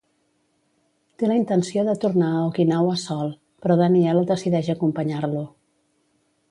Té la intenció de tornar a Okinawa sol, però Daniel decideix acompanyar-lo.